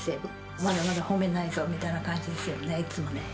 まだまだ褒めないぞみたいな感じですよね、いつもね。